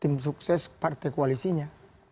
tim sukses partai koalisinya